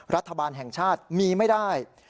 รัฐบาลแห่งชาติมีไม่ได้